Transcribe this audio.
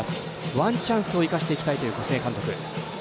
ワンチャンスを生かしていきたいという小菅監督。